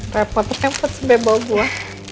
ya repot tepat tepat sebeboh gue